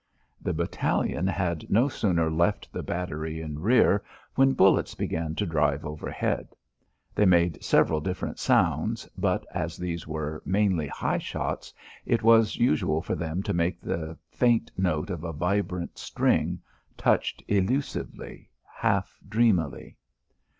The battalion had no sooner left the battery in rear when bullets began to drive overhead. They made several different sounds, but as these were mainly high shots it was usual for them to make the faint note of a vibrant string, touched elusively, half dreamily.